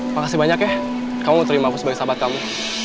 makasih banyak ya kamu terima aku sebagai sahabat kamu